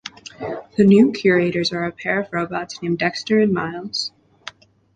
The new curators are a pair of robots named Dexter and Myles.